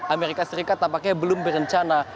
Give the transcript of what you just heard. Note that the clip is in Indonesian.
amerika serikat tampaknya belum berencana